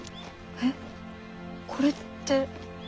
えっこれって。